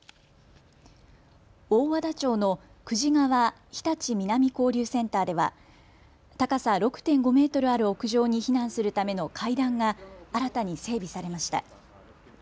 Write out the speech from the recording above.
大和田町の久慈川日立南交流センターでは高さ６．５メートルある屋上に避難するための階段が新たに整備されました。